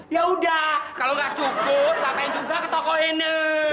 ya udah kalau nggak cukup ngapain juga ke toko ini